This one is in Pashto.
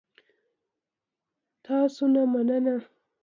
تاسو نه مننه